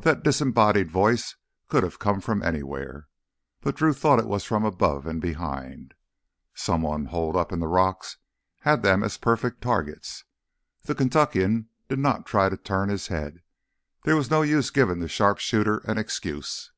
That disembodied voice could have come from anywhere, but Drew thought it was from above and behind. Someone, holed up in the rocks, had them as perfect targets. The Kentuckian did not try to turn his head; there was no use giving the sharpshooter an excuse.